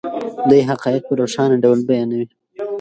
دی حقایق په روښانه ډول بیانوي.